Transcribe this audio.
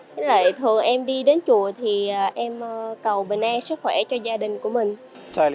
với lại thường em đi đến chùa thì em cầu bình an sức khỏe cho gia đình của mình